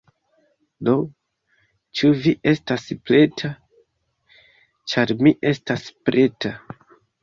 Do, ĉu vi estas preta? ĉar mi estas preta!